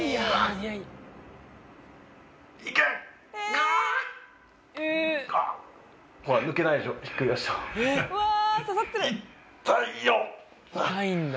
「痛いんだ」